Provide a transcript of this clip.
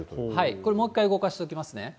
これ、もう一回動かしていきますね。